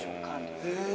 へえ。